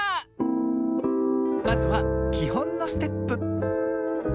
まずはきほんのステップ。